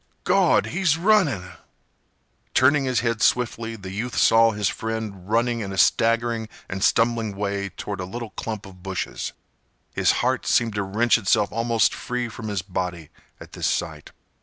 "Gawd! He's runnin'!" Turning his head swiftly, the youth saw his friend running in a staggering and stumbling way toward a little clump of bushes. His heart seemed to wrench itself almost free from his body at this sight.